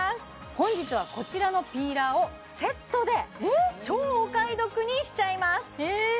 本日はこちらのピーラーをセットで超お買い得にしちゃいますええー！？